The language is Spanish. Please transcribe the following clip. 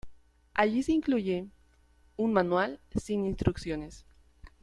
Allí se incluye "Un Manual Sin Instrucciones".